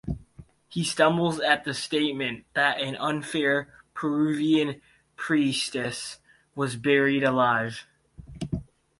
He stumbles at the statement that an unfaithful Peruvian priestess was buried alive.